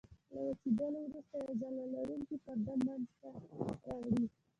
له وچېدلو وروسته یوه ځلا لرونکې پرده منځته راوړي.